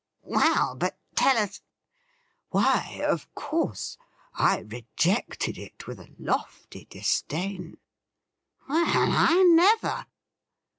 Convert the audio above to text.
'Well, but tell us ' 'Why, of course, I rejected it with a lofty disdain.' ' Well, I never